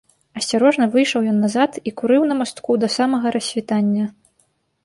Асцярожна выйшаў ён назад і курыў на мастку да самага рассвітання.